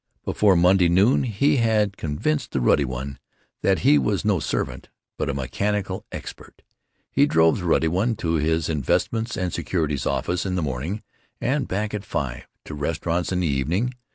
Before Monday noon he had convinced the Ruddy One that he was no servant, but a mechanical expert. He drove the Ruddy One to his Investments and Securities office in the morning, and back at five; to restaurants in the evening.